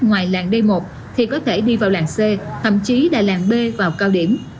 ngoài làng d một thì có thể đi vào làng c thậm chí là làng b vào cao điểm